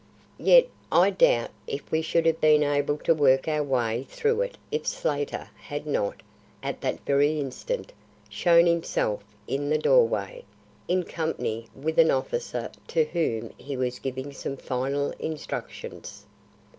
Yet I doubt if we should have been able to work our way through it if Slater had not, at that very instant, shown himself in the doorway, in company with an officer to whom he was giving some final instructions.